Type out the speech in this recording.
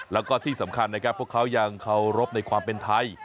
แล้วก็ที่สำคัญนะครับพวกเขายังเคารพในความเป็นไทย